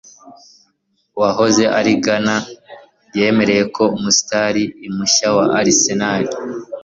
Uwahoze ari Gunner yemera ko umustar imushya wa Arsenal